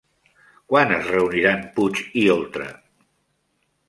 Quan es reuniran Puig i Oltra?